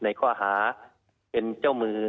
ในข้อหาเป็นเจ้ามือ